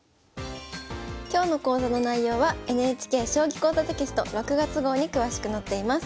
今日の講座の内容はＮＨＫ「将棋講座」テキスト６月号に詳しく載っています。